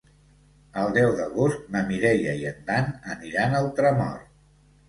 El deu d'agost na Mireia i en Dan aniran a Ultramort.